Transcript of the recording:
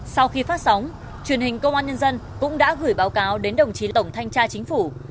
sau khi phát sóng truyền hình công an nhân dân cũng đã gửi báo cáo đến đồng chí tổng thanh tra chính phủ